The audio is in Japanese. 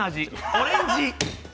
オレンジ！